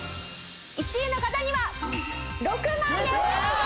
１位の方には６万円！